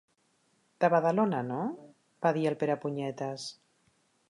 De Badalona, no? —va dir el Perepunyetes.